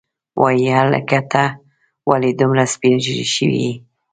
وای هلکه ته ولې دومره سپینږیری شوی یې.